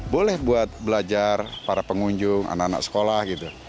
boleh buat belajar para pengunjung anak anak sekolah gitu